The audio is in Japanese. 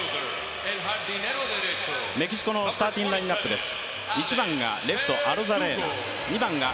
メキシコのスターティングラインナップです。